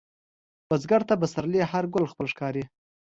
بزګر ته د پسرلي هر ګل خپل ښکاري